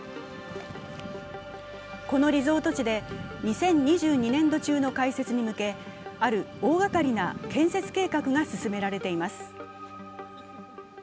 このリゾート地で２０２２年度中の開設に向けある大がかりな建設計画が進められています。